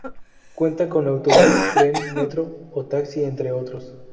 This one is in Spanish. Cuenta con autobús, tren, metro o taxi entre otros.